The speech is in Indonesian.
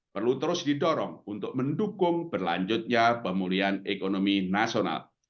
perlu terus didorong untuk mendukung berlanjutnya pemulihan ekonomi nasional